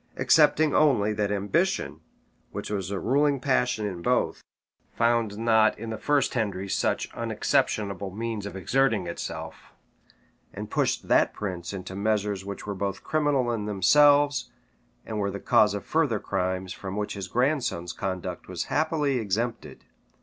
excepting only, that ambition, which was a ruling passion in both, found not in the first Henry such unexceptionable means of exerting itself, and pushed that prince into measures which were both criminal in themselves, and were the cause of further crimes, from which his grandson's conduct was happily exempted.